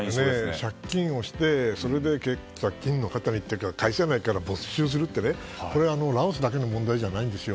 借金をしてそれで借金のかたで会社内から没収するってラオスだけの問題じゃないんですよ。